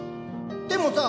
でもさ